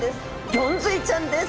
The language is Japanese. ゴンズイちゃんです。